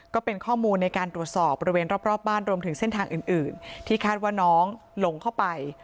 ก็เป็นข้อมูลในการตรวจสอบบริเวณรอบบ้านรวมถึงเส้นทางอื่นที่คาดว่าน้องหลงเข้าไป